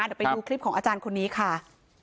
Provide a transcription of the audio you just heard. เดี๋ยวไปดูคลิปของอาจารย์คนนี้ค่ะ